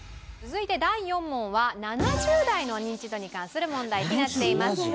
続いて第４問は７０代のニンチドに関する問題になっています。